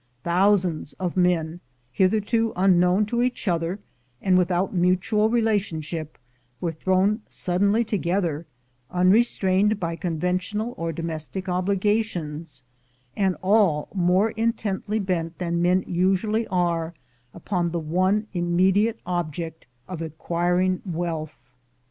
Thousands of men, hitherto unknown to each other, and without mutual relation ship, were thrown suddenly together, unrestrained by conventional or domestic obligations, and all more intently bent than men usually are upon the one immediate object of acquiring wealth.